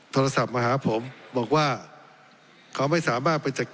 โทรศัพท์มาหาผมบอกว่าเขาไม่สามารถไปจะ